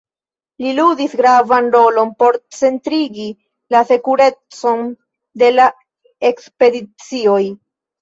Li ludis gravan rolon por certigi la sekurecon de la ekspedicioj.